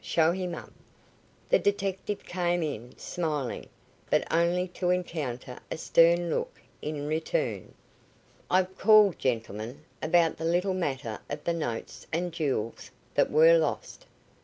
Show him up." The detective came in, smiling, but only to encounter a stern look in return. "I've called, gentlemen, about that little matter of the notes and jewels that were lost."